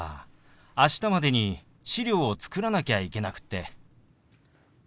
明日までに資料を作らなきゃいけなくって。